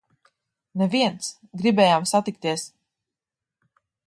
Neviens! Gribējām satikties!